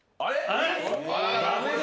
えっ？